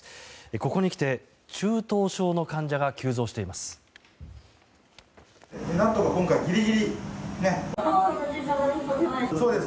ここにきて中等症の患者が急増しています。